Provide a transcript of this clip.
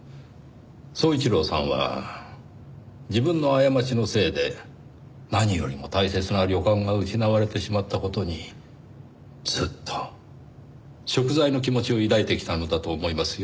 宗一郎さんは自分の過ちのせいで何よりも大切な旅館が失われてしまった事にずっと贖罪の気持ちを抱いてきたのだと思いますよ。